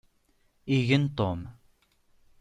Igen Tom.